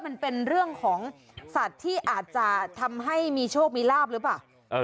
มันเป็นเรื่องของสัตว์ที่อาจจะทำให้มีโชคมีลาบหรือเปล่า